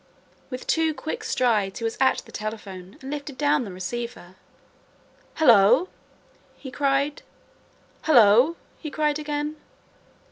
With two quick strides he was at the telephone and lifted down the receiver. "Hullo," he cried. "Hullo," he cried again.